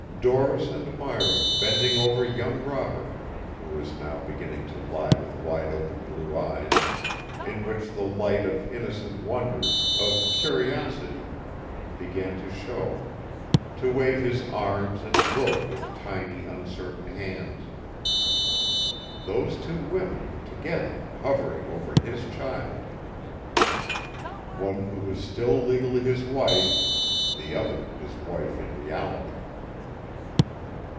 Doris and Myra bending over young Robert, who was now beginning to lie with wide open blue eyes, in which the light of innocent wonder, of curiosity, began to show, to wave his arms and grope with tiny, uncertain hands. Those two women together hovering over his child, one who was still legally his wife, the other his wife in reality.